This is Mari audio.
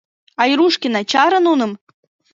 Айрушкина, чаре нуным!